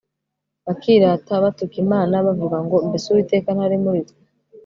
bakirata batuka imana bavuga ngo mbese uwiteka ntari muri twe